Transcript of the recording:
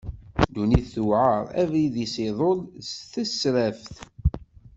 Dunnit tuɛer, abrid-is iḍul d tasraft.